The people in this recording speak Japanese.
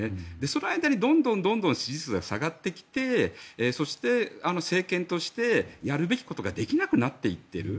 その間にどんどん支持率が下がってきてそして、政権としてやるべきことができなくなっていってる。